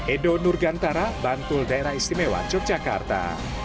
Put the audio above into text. edo nurgantara bantul daerah istimewa yogyakarta